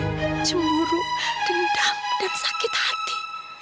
hoover dipuji saya untuk melayani